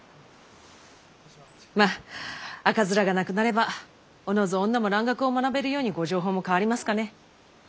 まっ赤面がなくなればおのず女も蘭学を学べるようにご定法も変わりますかね。